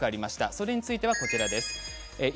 それについてはこちらです。